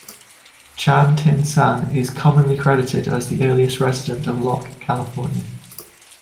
Chan Tin-San is commonly credited as the earliest resident of Locke, California.